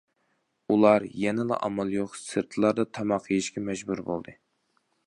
ئۇلار يەنىلا ئامال يوق سىرتلاردا تاماق يېيىشكە مەجبۇرىي بولدى.